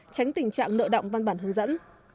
tránh tình trạng nợ động văn bản hướng dẫn